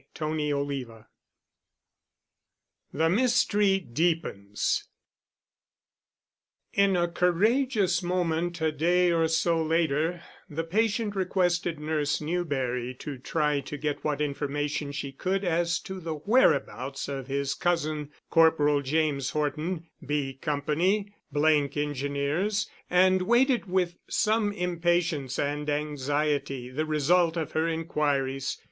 *CHAPTER II* *THE MYSTERY DEEPENS* In a courageous moment, a day or so later, the patient requested Nurse Newberry to try to get what information she could as to the whereabouts of his cousin, Corporal James Horton, B Company, —th Engineers, and waited with some impatience and anxiety the result of her inquiries.